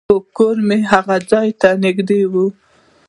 د خور کور مې هغې ځای ته نژدې دی